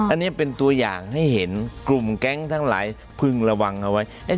อันนี้เป็นตัวอย่างให้เห็นกลุ่มแก๊งทั้งหลายพึงระวังเอาไว้